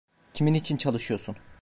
Kimin için çalışıyorsun?